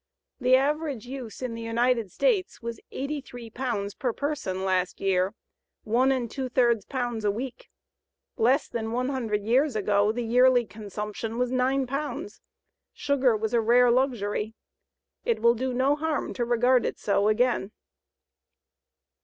The average use in the United States was 83 pounds per person last year 1 2/3 pounds a week less than one hundred years ago the yearly consumption was 9 pounds. Sugar was a rare luxury. It will do no harm to regard it so again.